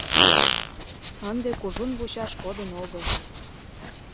Ынде кужун вучаш кодын огыл.